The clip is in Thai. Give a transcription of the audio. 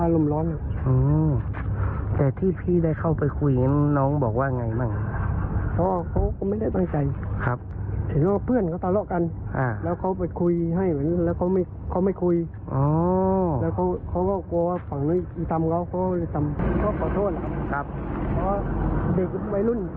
แล้วเค้าพอคุยให้กันแล้วเค้าไม่คุย